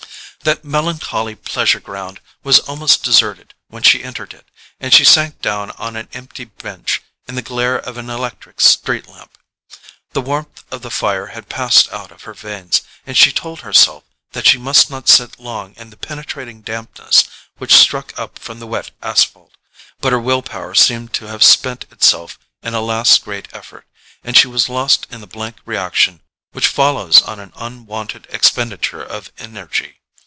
That melancholy pleasure ground was almost deserted when she entered it, and she sank down on an empty bench in the glare of an electric street lamp. The warmth of the fire had passed out of her veins, and she told herself that she must not sit long in the penetrating dampness which struck up from the wet asphalt. But her will power seemed to have spent itself in a last great effort, and she was lost in the blank reaction which follows on an unwonted expenditure of energy.